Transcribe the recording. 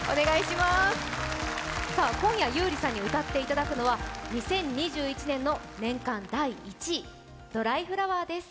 今夜優里さんに歌ってもらうのは２０２１年の年間第１位、「ドライフラワー」です。